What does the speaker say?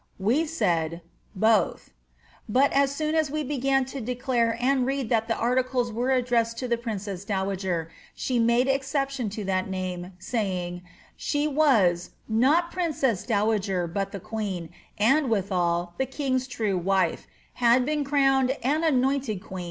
We said, ^ Both ;' but as soon as we began to declare and read that the ■nicies were addressed to the princess dowager, she made exception to that name, saying, she was ^ not princess dowager, but the queen, and« viihaU the king^s true wife; had been crowned and anointed queen, »Lord Herbert, p.